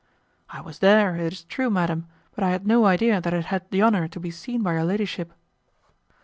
"I was there, it is true, madam; but I had no idea that I had had the honour to be seen by your ladyship."